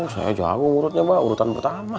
saya jauh urutnya mbah urutan pertama